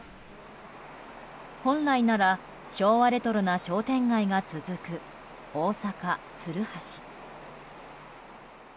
本来なら、昭和レトロな商店街が続く大阪・鶴橋。